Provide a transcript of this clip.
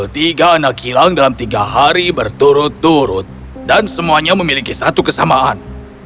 tiga anak hilang dalam tiga hari berturut turut dan semuanya memiliki satu kesamaan